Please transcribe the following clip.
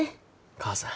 母さん。